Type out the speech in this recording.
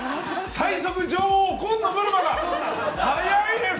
最速女王・紺野ぶるまが早いです！